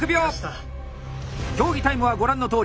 競技タイムはご覧のとおり。